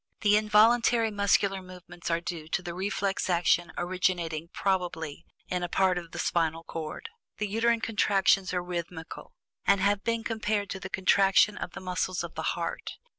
The involuntary muscular movements are due to the reflex action originating, probably, in a part of the spinal cord. The uterine contractions are rhythmical, and have been compared to the contraction of the muscles of the heart.